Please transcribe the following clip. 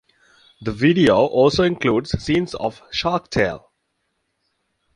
The video also includes scenes of "Shark Tale".